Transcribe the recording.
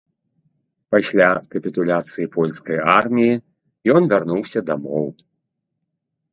Пасля капітуляцыі польскай арміі ён вярнуўся дамоў.